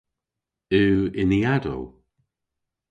Yw yniadow?